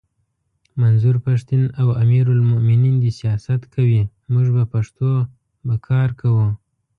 منظور پښتین او امیر المومنین دي سیاست کوي موږ به پښتو به کار کوو!